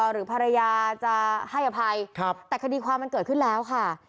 หรือภรรยาจะให้อภัยแต่คดีความมันเกิดขึ้นแล้วค่ะ